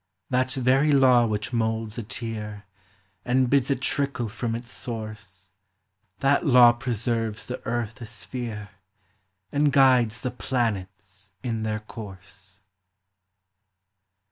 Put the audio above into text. That very law which moulds a tear, And bids it trickle from its source, — That law preserves the earth a sphere, And guides the planets in their course.